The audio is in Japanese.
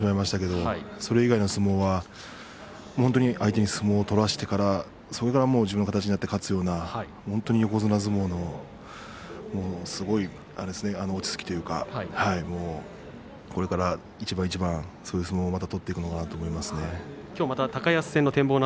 負けた相撲はああいう形になりましたが、それ以外の相撲は相手に相撲を取らせてから自分の形になって勝つような本当に横綱相撲のすごい落ち着きというかこれから一番一番、強い相撲を取っていくのかなと思います。